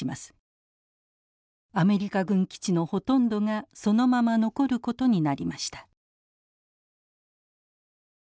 アメリカ軍基地のほとんどがそのまま残ることになりました。